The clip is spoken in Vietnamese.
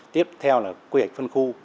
tiếp theo là quy hạch phân khu